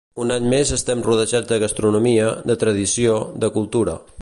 Un any més estem rodejats de gastronomia, de tradició, de cultura.